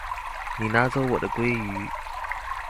你拿走我的鮭魚